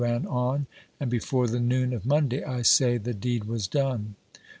ran on, And before the noon of Monday, I say, the deed was done.